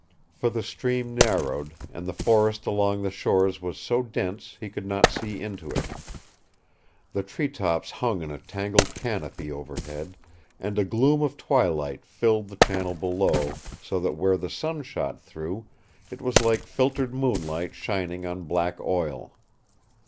For the stream narrowed, and the forest along the shores was so dense he could not see into it. The tree tops hung in a tangled canopy overhead, and a gloom of twilight filled the channel below, so that where the sun shot through, it was like filtered moonlight shining on black oil.